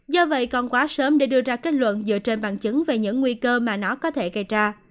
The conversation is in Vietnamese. do vậy còn quá sớm để đưa ra kết luận dựa trên bằng chứng về những nguy cơ mà nó có thể gây ra